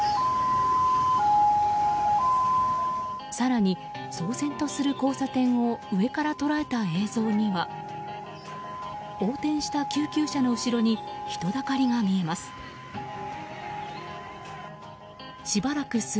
更に、騒然とする交差点を上から捉えた映像には横転した救急車の後ろに人だかりが見えます。